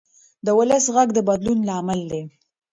د ولس غږ د بدلون لامل دی